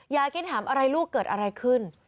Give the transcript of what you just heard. ยายคิดถามอะไรลูกเกิดอะไรขึ้น